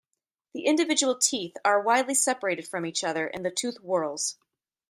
The individual teeth are widely separated from each other in the tooth whorls.